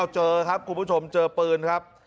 เจอครับคุณผู้ชมเจอปืนครับ